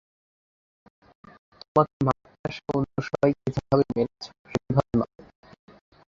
তোমাকে মারতে আসা অন্য সবাইকে যেভাবে মেরেছো সেভাবে মারো।